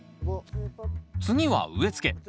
次は植えつけ。